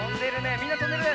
みんなとんでるね。